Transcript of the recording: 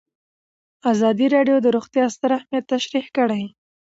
ازادي راډیو د روغتیا ستر اهميت تشریح کړی.